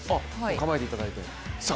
構えていただいて。